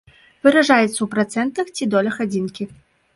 Выражаецца ў працэнтах ці долях адзінкі.